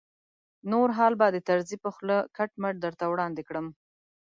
نور حال به د طرزي په خوله کټ مټ درته وړاندې کړم.